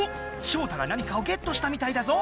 ショウタが何かをゲットしたみたいだぞ！